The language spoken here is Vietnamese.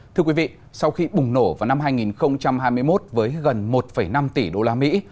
thưa quý vị sau khi bùng nổ vào năm hai nghìn hai mươi một với gần một năm tỷ đô la mỹ